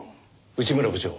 内村部長